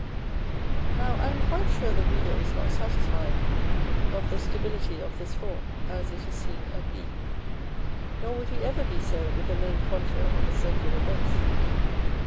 Now I am quite sure the reader is not satisfied of the stability of this form as it is seen at b; nor would he ever be so with the main contour of a circular base.